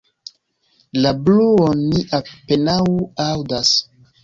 La bruon ni apenaŭ aŭdas.